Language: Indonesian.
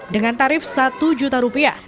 dengan tarif satu juta rupiah